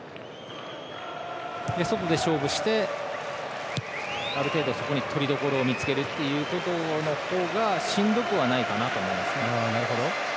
外で勝負して、ある程度とりどころを見つける方がしんどくはないかなと思います。